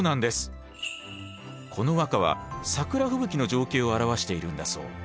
この和歌は桜吹雪の情景を表しているんだそう。